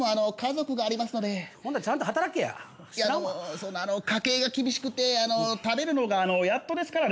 その家計が厳しくて食べるのがやっとですからね